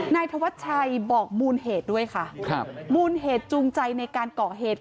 นายธวัชชัยบอกมูลเหตุด้วยค่ะครับมูลเหตุจูงใจในการก่อเหตุ